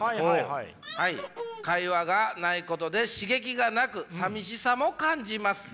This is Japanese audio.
会話がないことで刺激がなく寂しさも感じます。